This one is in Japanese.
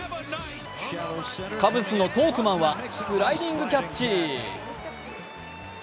カブスのトークマンはスライディングキャッチ。